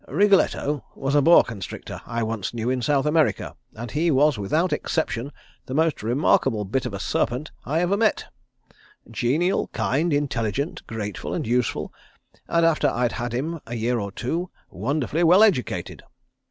Wriggletto was a boa constrictor I once knew in South America, and he was without exception, the most remarkable bit of a serpent I ever met. Genial, kind, intelligent, grateful and useful, and, after I'd had him a year or two, wonderfully well educated.